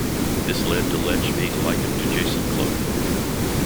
This led to Letch being likened to Jason Cloke.